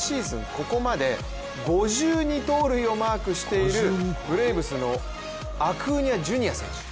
ここまで５２盗塁をマークしているブレーブスのアクーニャＪｒ．選手。